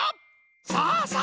さあさあ